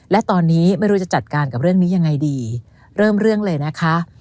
และตอนนี้ไม่รู้จะจัดการกับเรื่องนี้ยังไงดีเริ่มเรื่องเลยนะคะ